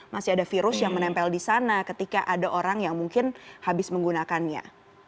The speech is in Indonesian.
masih ada virus yang menempel di sana ketika ada orang yang mungkin habis menggunakannya